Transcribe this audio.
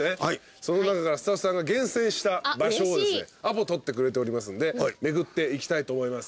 その中からスタッフさんが厳選した場所をですねアポ取ってくれておりますんで巡っていきたいと思います。